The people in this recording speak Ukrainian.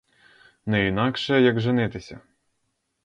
Не інакше, як женитися.